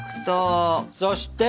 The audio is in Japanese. そして。